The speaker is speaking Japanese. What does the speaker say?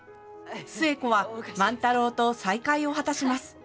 寿恵子は万太郎と再会を果たします。